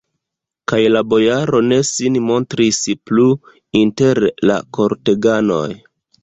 Kaj la bojaro ne sin montris plu inter la korteganoj.